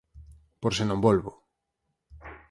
Por se non volvo...